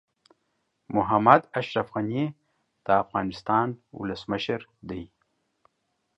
محمد اشرف غني د افغانستان ولسمشر دي.